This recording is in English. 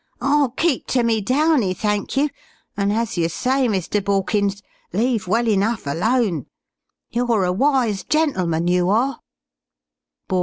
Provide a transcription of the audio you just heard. "I'll keep to me downy thank you, an' as you say, Mr. Borkins, leave well enough alone. You're a wise gentleman, you are!"